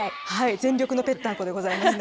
全力のぺったんこでございますね。